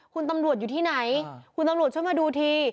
คุณตำรวจอยู่ที่ไหนคุณตำรวจช่วยมาดูที